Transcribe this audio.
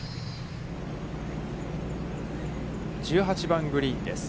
１８番グリーンです。